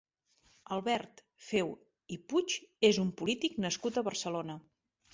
Albert Feu i Puig és un polític nascut a Barcelona.